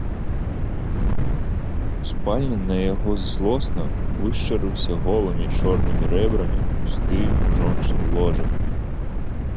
У спальні на яго злосна вышчарыўся голымі чорнымі рэбрамі пусты жончын ложак.